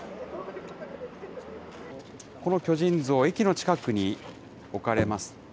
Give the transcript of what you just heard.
この巨人像、駅の近くに置かれますと。